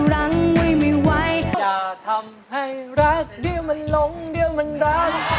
รอบกำลังซ่า